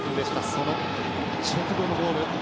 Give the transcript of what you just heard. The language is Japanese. その直後のゴール。